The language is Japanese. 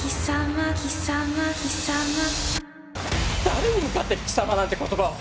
誰に向かって「貴様」なんて言葉を！